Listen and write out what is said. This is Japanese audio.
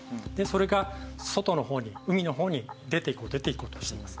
それが外の方に海の方に出ていこう出ていこうとします。